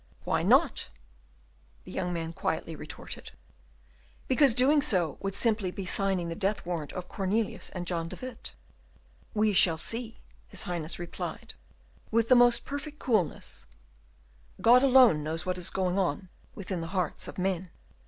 "Why not?" the young man quietly retorted. "Because doing so would simply be signing the death warrant of Cornelius and John de Witt." "We shall see," his Highness replied, with the most perfect coolness; "God alone knows what is going on within the hearts of men."